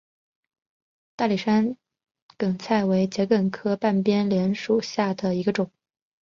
大理山梗菜为桔梗科半边莲属下的一个种。